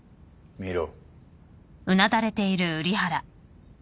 見ろ！